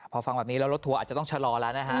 พอฟังแบบนี้แล้วรถทัวร์อาจจะต้องชะลอแล้วนะฮะ